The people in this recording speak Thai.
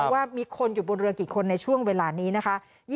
ว่ามีคนอยู่บนเรือกี่คนในช่วงเวลานี้นะคะ